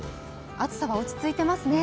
暑さは落ち着いてますね。